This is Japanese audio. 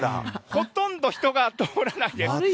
ほとんど人が通らないです。